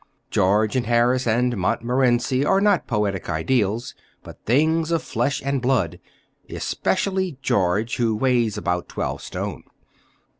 George and Harris and Montmorency are not poetic ideals, but things of flesh and blood—especially George, who weighs about twelve stone.